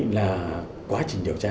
là quá trình điều tra